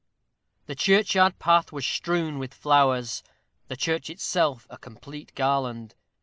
The churchyard path was strewn with flowers the church itself a complete garland.